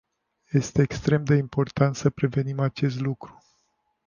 Este extrem de important să prevenim acest lucru.